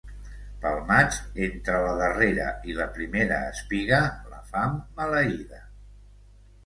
Pel maig, entre la darrera i la primera espiga, la fam maleïda.